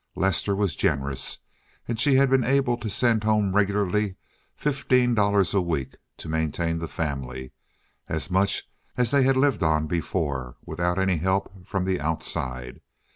Lester was generous and she had been able to send home regularly fifteen dollars a week to maintain the family—as much as they had lived on before, without any help from the outside.